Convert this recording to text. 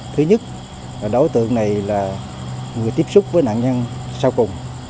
thứ nhất đối tượng này là người tiếp xúc với nạn nhân sau cùng